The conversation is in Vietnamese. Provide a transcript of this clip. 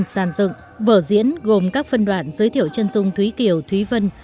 tàn dựng vở diễn gồm các phân đoạn giới thiệu chân dung thúy kiều thúy vân